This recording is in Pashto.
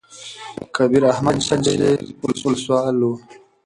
کبیر احمد خان پنجشېري ولسوال وو.